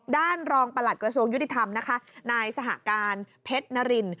ด้านรองประหลัดกระทรวงยุติธรรมนะคะนายสหการเพชรนริน